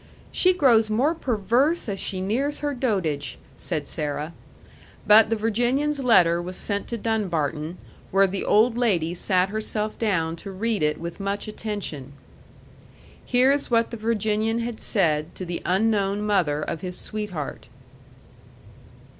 "She grows more perverse as she nears her dotage," said Sarah. But the Virginian's letter was sent to Dunbarton, where the old lady sat herself down to read it with much attention. Here is what the Virginian had said to the unknown mother of his sweetheart.